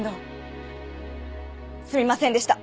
すみませんでした。